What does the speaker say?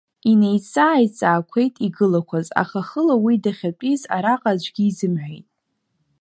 Инеизҵаа-ааизҵаақәеит игылақәаз, аха хыла уи дахьатәиз араҟа аӡәгьы изымҳәеит.